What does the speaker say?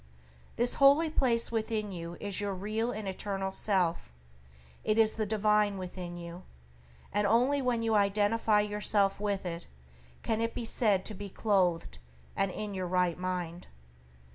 This holy place within you is your real and eternal self; it is the divine within you; and only when you identify yourself with it can you be said to be "clothed and in your right mind."